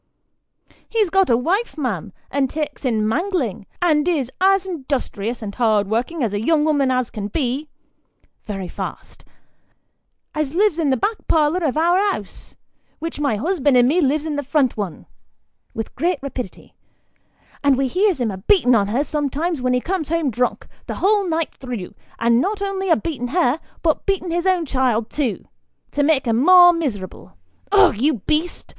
He's got a wife, ma'am, as takes in mangling, and is as 'dustrious and hard working a young 'ooman as can be, (very fast) as lives in the back parlour of our 'ous, which my husband and me lives in the front one (with great rapidity) and we hears him a beaten' on her sometimes when he comes home drunk, the whole night through, and not only a beaten' her, but beaten' his own child too, to make her more miserable ugh, you beast